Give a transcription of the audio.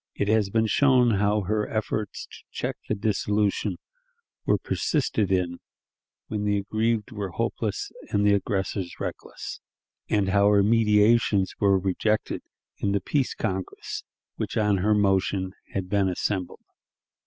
It has been shown how her efforts to check dissolution were persisted in when the aggrieved were hopeless and the aggressors reckless, and how her mediations were rejected in the "Peace Congress," which on her motion had been assembled.